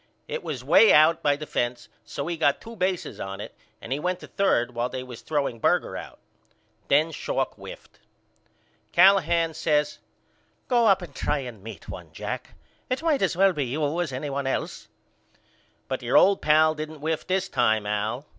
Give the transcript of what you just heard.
It was way out by the fence so he got two bases on it and he went to third while they was throwing Berger out. Then Schalk whiffed. Callahan says Go up and try to meet one Jack. It might as well be you as anybody else. But your old pal didn't whiff this time Al.